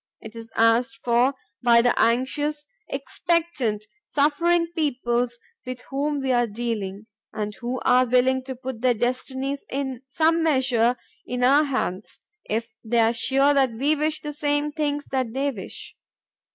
It is asked for by the anxious, expectant, suffering peoples with whom we are dealing and who are willing to put their destinies in some measure in our hands, if they are sure that we wish the same things that they wish.